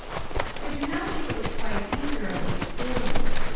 I do not think it was quite either of these things.